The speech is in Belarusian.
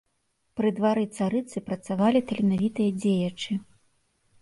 Пры двары царыцы працавалі таленавітыя дзеячы.